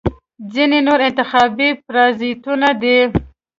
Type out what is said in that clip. ځینې نور انتخابي پرازیتونه دي.